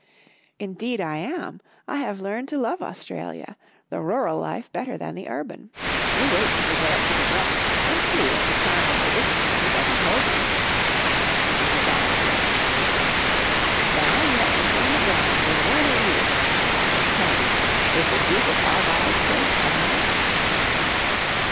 " Indeed I am. I have learned to love Aus tralia, the rural life better than the urban. You wait until we go up to the ' run ' and see if the charm of the Bush country life doesn't hold 22 Our Little Australian Cousin you." Mrs. McDonald smiled. " Now we are entering the grounds of Wuurna wee weetch. Tell me, is the Duke of Argyle's place finer?